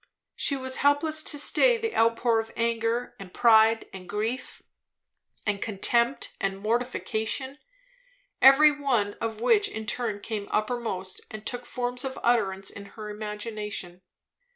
She was helpless to stay the outpour of anger and pride and grief and contempt and mortification, every one of which in turn came uppermost and took forms of utterance in her imagination.